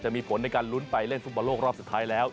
มีผลในการลุ้นไปเล่นฟุตบอลโลกรอบสุดท้ายแล้ว